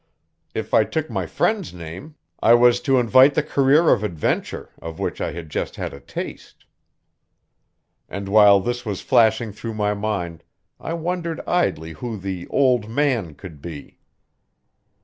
If I took my friend's name, I was to invite the career of adventure of which I had just had a taste. And while this was flashing through my mind, I wondered idly who the "old man" could be.